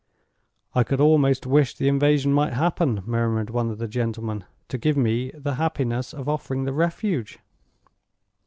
"I could almost wish the invasion might happen," murmured one of the gentlemen, "to give me the happiness of offering the refuge."